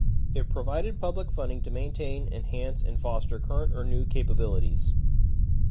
It provided public funding to maintain, enhance, and foster current or new capabilities.